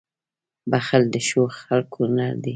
• بښل د ښو خلکو هنر دی.